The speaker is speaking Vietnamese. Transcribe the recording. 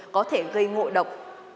có thể gây ngộ độc